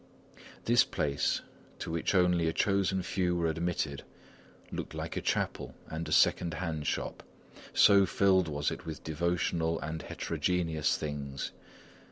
This place, to which only a chosen few were admitted, looked like a chapel and a second hand shop, so filled was it with devotional and heterogeneous things.